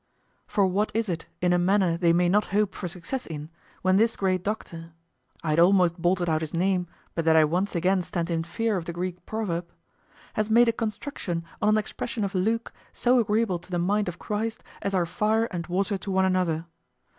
For what is it in a manner they may not hope for success in, when this great doctor (I had almost bolted out his name, but that I once again stand in fear of the Greek proverb) has made a construction on an expression of Luke, so agreeable to the mind of Christ as are fire and water to one another.